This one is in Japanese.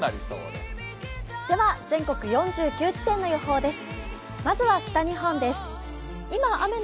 では、全国４９地点の予報です。